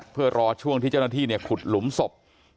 เพื่อรอช่วงที่เจ้าหน้าที่ขุดหลุมศพ